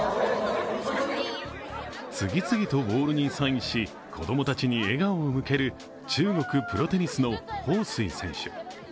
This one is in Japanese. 次々とボールにサインし子供たちに笑顔を向ける中国プロテニスの彭帥選手。